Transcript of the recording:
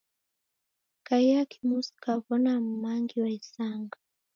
Kaiya kimusi kaw'ona m'mangi wa isanga.